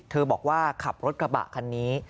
บอกว่าขับรถกระบะคันนี้